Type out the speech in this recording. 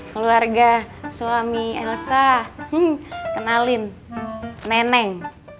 keluarga suami elsa kenalin neneng